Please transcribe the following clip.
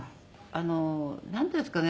なんていうんですかね。